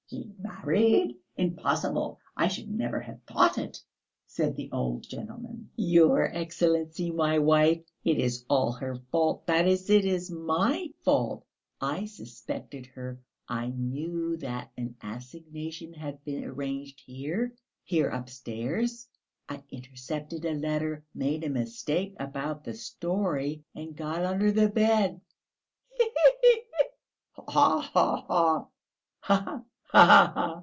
"He married? Impossible! I should never have thought it," said the old gentleman. "Your Excellency, my wife it is all her fault; that is, it is my fault: I suspected her; I knew that an assignation had been arranged here here upstairs; I intercepted a letter, made a mistake about the storey and got under the bed...." "He he he he!" "Ha ha ha ha!" "Ha ha ha ha!"